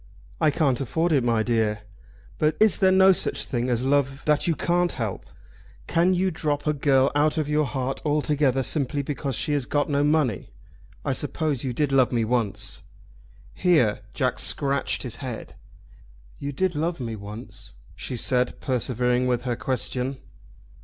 "I can't afford it, my dear." "But is there no such thing as love that you can't help? Can you drop a girl out of your heart altogether simply because she has got no money? I suppose you did love me once?" Here Jack scratched his head. "You did love me once?" she said, persevering with her question.